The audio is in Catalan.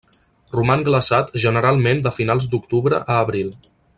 Roman glaçat generalment de finals d'octubre a abril.